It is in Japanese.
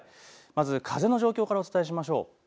まず風の状況からお伝えしましょう。